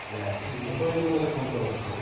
そういうものでコントロールする。